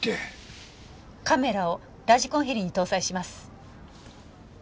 カメラをラジコンヘリに搭載します。